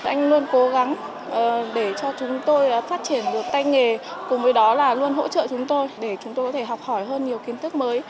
anh luôn cố gắng để cho chúng tôi phát triển một tay nghề cùng với đó là luôn hỗ trợ chúng tôi để chúng tôi có thể học hỏi hơn nhiều kiến thức mới